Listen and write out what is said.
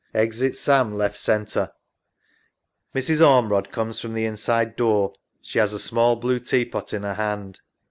[Exit Sam left center. Mrs. Ormerod comes from the inside door. She has a small blue tea pot in her hand.